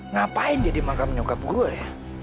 ngapain dia dimangka menyokap gue